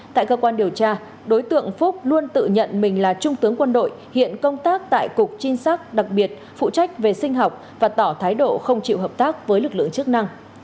tại cơ quan điều tra đối tượng phúc luôn tự nhận mình là trung tướng quân đội hiện công tác tại cục trinh sát đặc biệt phụ trách về sinh học và tỏ thái độ không chịu hợp tác với lực lượng chức năng